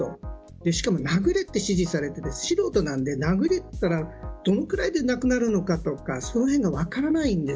しかも殴れと指示されて素人なんで、殴れと言われたらどのくらいで亡くなるのかとかその辺が分からないんです。